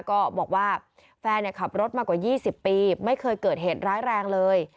ก็บอกว่าแฟนขับรถมากว่า๒๐ปีไม่เคยเกิดเหตุร้ายแรงเลย